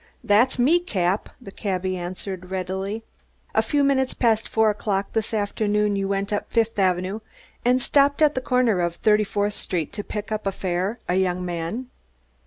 "That's me, Cap," the cabby answered readily. "A few minutes past four o'clock this afternoon you went up Fifth Avenue, and stopped at the corner of Thirty fourth Street to pick up a fare a young man."